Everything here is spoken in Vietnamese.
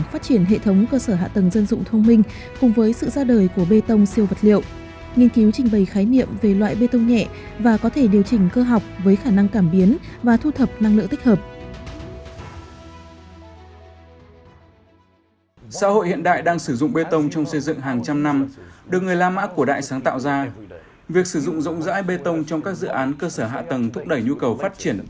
việc sử dụng rộng rãi bê tông trong các dự án cơ sở hạ tầng thúc đẩy nhu cầu phát triển